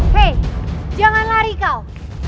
hey jangan lari kau